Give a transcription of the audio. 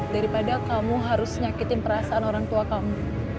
daripada kamu harus nyakitin perasaan orang tua kamu